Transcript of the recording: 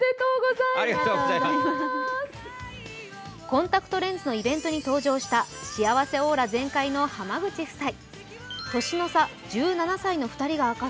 コンタクトレンズのイベントに登場した、幸せオーラ全開の濱口夫妻。